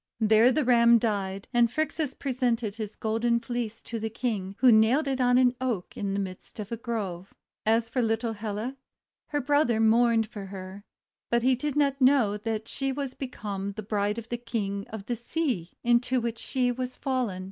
There the Ram died, and Phrixus presented his Golden Fleece to the King, wiio nailed it on an Oak in the midst of a grove. As for little Helle, her brother mourned for her; but he did not know that she was become the bride of the King of the sea into which she was fallen.